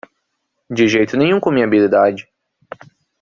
De jeito nenhum com minha habilidade